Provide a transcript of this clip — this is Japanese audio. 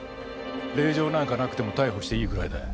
令状なんかなくても逮捕していいぐらいだよ。